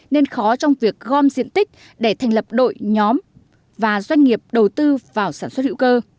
nên khó trong việc gom diện tích để thành lập đội nhóm và doanh nghiệp đầu tư vào sản xuất hữu cơ